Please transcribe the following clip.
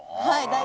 はい。